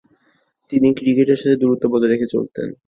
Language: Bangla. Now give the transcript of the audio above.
তিনি ক্রিকেটের সাথে দূরত্ব বজায় রেখে চলতেন।